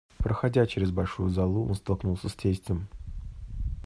Проходя через большую залу, он столкнулся с тестем.